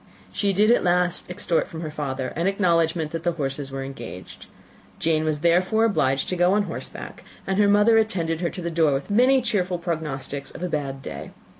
She did at last extort from her father an acknowledgment that the horses were engaged; Jane was therefore obliged to go on horseback, and her mother attended her to the door with many cheerful prognostics of a bad day.